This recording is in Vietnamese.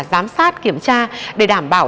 giám sát kiểm tra để đảm bảo